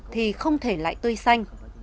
thì không thể lại tươi xanh